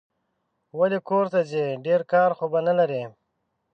ولي کورته ځې ؟ ډېر کار خو به نه لرې